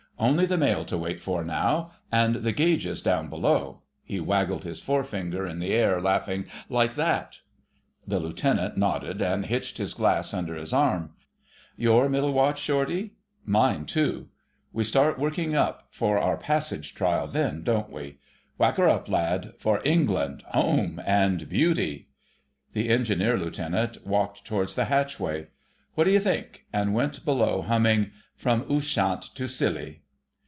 Only the mail to wait for now: and the gauges down below"—he waggled his forefinger in the air, laughing,—"like that...!" The Lieutenant nodded and hitched his glass under his arm. "Your middle watch, Shortie? Mine too: we start working up for our passage trial then, don't we? Whack her up, lad—for England, Home, and Beauty!" The Engineer Lieutenant walked towards the hatchway. "What do you think!" and went below humming— "From Ushant to Scilly...